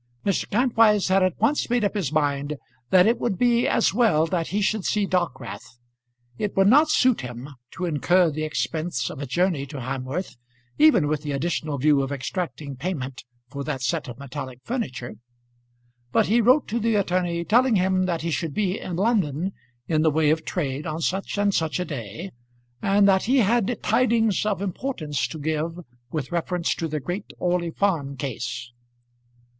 Mr. Kantwise had at once made up his mind that it would be as well that he should see Dockwrath. It would not suit him to incur the expense of a journey to Hamworth, even with the additional view of extracting payment for that set of metallic furniture; but he wrote to the attorney telling him that he should be in London in the way of trade on such and such a day, and that he had tidings of importance to give with reference to the great Orley Farm case.